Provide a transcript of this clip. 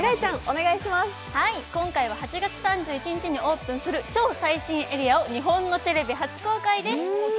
今回は８月３１日にオープンする超最新エリアを日本のテレビ初公開です。